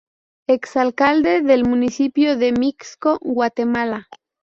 Exalcalde del municipio de Mixco, Guatemala.